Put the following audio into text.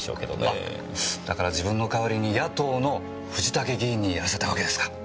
あっだから自分の代わりに野党の藤竹議員にやらせたわけですか。